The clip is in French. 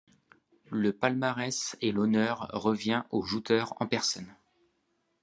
Le palmarès et l'honneur revient au jouteur en personne.